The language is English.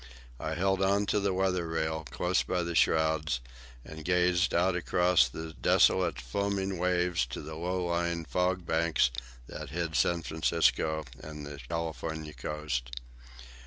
I held on to the weather rail, close by the shrouds, and gazed out across the desolate foaming waves to the low lying fog banks that hid San Francisco and the California coast.